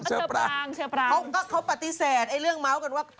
เขาปฏิเสธไอเลื่องเมาท์กันว่า